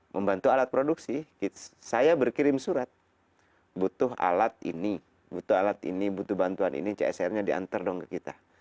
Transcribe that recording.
membantu alat produksi saya berkirim surat butuh alat ini butuh alat ini butuh bantuan ini csr nya diantar dong ke kita